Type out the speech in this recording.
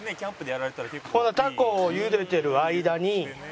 ほんならタコを茹でてる間に。